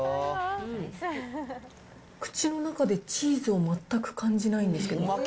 口の中でチーズを全く感じないんですけど。